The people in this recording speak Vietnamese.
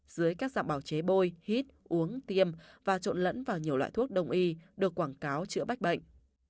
dưới các dạng bào chế bôi hít uống tiêm và trộn lẫn vào nhiều loại thuốc đông y được quảng cáo chữa bách bệnh